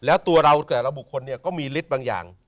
แล้วตัวเราแต่ละบุคคลเนี่ยก็มีฤทธิ์บางอย่าง